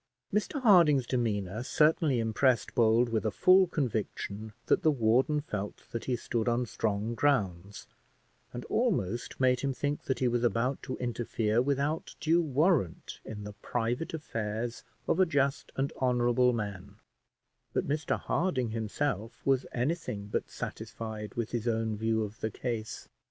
Mr Harding's demeanour certainly impressed Bold with a full conviction that the warden felt that he stood on strong grounds, and almost made him think that he was about to interfere without due warrant in the private affairs of a just and honourable man; but Mr Harding himself was anything but satisfied with his own view of the case.